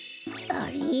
あれ？